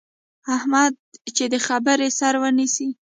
احمد چې د خبرې سر ونیسي،